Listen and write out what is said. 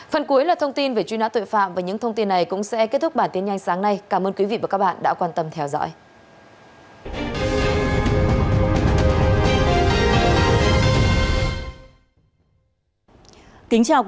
phần cuối là thông tin về truy nã tội phạm và những thông tin này cũng sẽ kết thúc bản tin nhanh sáng nay cảm ơn quý vị và các bạn đã quan tâm theo dõi